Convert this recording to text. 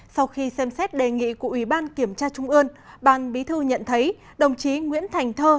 sau khi xem xét đề nghị của ủy ban kiểm tra trung ương ban bí thư nhận thấy đồng chí nguyễn thành thơ